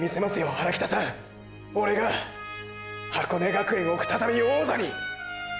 荒北さんオレが箱根学園を再び王座に！！